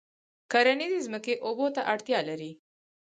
کرنیزې ځمکې اوبو ته اړتیا لري.